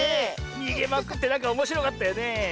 にげまくってなんかおもしろかったよね。